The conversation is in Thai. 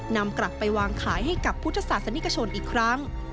นำกลับไปวางขายให้กับพุทธศาสนิกชนอีกครั้ง